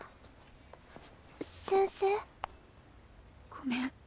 ごめん。